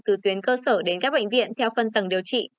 từ tuyến cơ sở đến các bệnh viện theo phân tầng điều trị